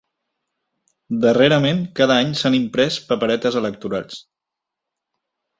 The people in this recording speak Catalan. Darrerament, cada any s'han imprès paperetes electorals.